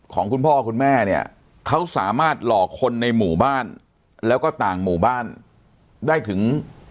คุณพ่อคุณแม่เนี่ยเขาสามารถหลอกคนในหมู่บ้านแล้วก็ต่างหมู่บ้านได้ถึง